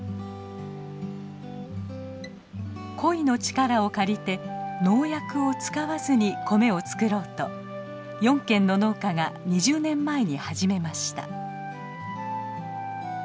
コイの力を借りて農薬を使わずに米を作ろうと４軒の農家が２０年前に始めました。